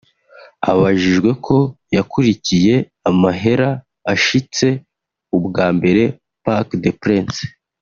Abajijwe ko yakurikiye amahera ashitse ubwa mbere Parc des Princes